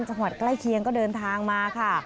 จังหวัดใกล้เคียงก็เดินทางมาค่ะ